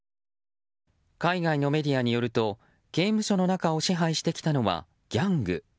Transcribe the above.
海外のメディアによると刑務所の中を支配してきたのはギャング。